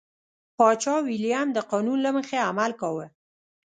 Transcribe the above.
پاچا ویلیم د قانون له مخې عمل کاوه.